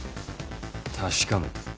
確かめた。